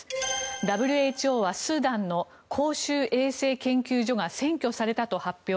ＷＨＯはスーダンの公衆衛生研究所が占拠されたと発表。